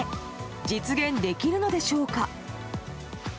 実現できるのでしょうか。